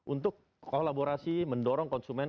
untuk kolaborasi mendorong konsumen